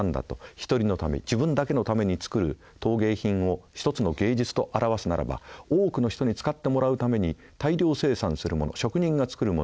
「一人のため自分だけのために作る陶芸品を一つの芸術と表すならば多くの人に使ってもらうために大量生産するもの職人が作るもの